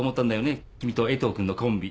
君と江藤君のコンビ。